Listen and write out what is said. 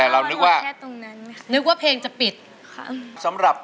หรือว่าร้องผิดครับ